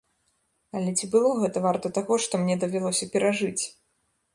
Але ці было гэта варта таго, што мне давялося перажыць?